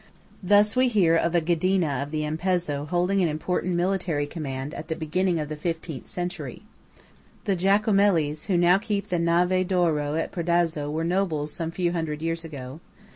Thus we hear of a Ghedina of the Ampezzo holding an important military command at the beginning of the XVth century. The Giacomellis who now keep the "Nave d'Oro" at Predazzo were nobles some few hundred years ago.